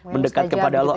mendekat kepada allah